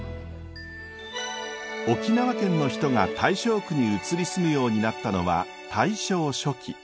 沖縄県の人が大正区に移り住むようになったのは大正初期。